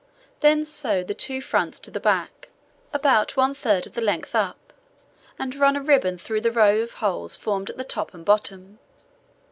Then sew the two fronts to the back, about one third of the length up, and run a ribbon through the row of holes formed at the top and bottom.